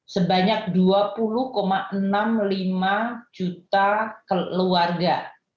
sebanyak dua puluh enam puluh lima juta keluarga